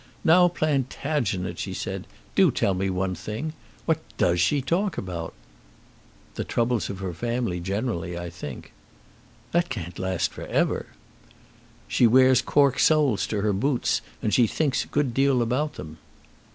"Now, Plantagenet," she said, "do tell me one thing. What does she talk about?" "The troubles of her family generally, I think." "That can't last for ever." "She wears cork soles to her boots and she thinks a good deal about them."